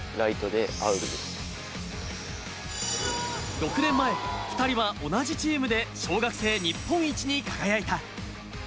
６年前、２人は同じチームで小学生日本一に輝いた。